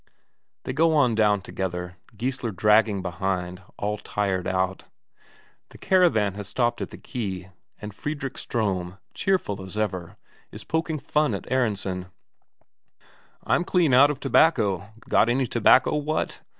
They go on down together, Geissler dragging behind, all tired out. The caravan has stopped at the quay, and Fredrik Ström, cheerful as ever, is poking fun at Aronsen: "I'm clean out of tobacco; got any tobacco, what?"